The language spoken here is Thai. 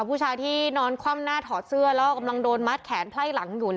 ผู้ชายที่นอนคว่ำหน้าถอดเสื้อแล้วก็กำลังโดนมัดแขนไพ่หลังอยู่